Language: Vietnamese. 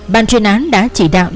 ban chuyên án đã chỉ đạo